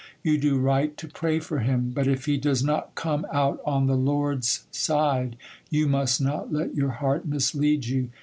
You do right to pray for him; but if he does not come out on the Lord's side, you must not let your heart mislead you.